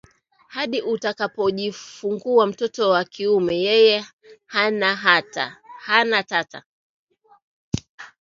hadi atakapojifungua mtoto wa kiume Yeye hana hata